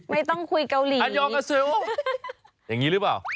ไม่ต้องพูดเกาหลีอย่างนี้หรือเปล่า